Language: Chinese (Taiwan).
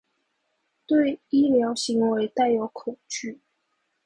對醫療行為帶有恐懼